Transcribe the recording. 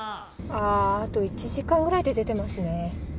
ああと１時間ぐらいって出てますね。